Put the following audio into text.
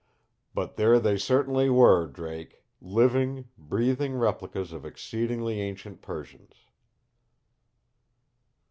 But there they certainly were, Drake, living, breathing replicas of exceedingly ancient Persians.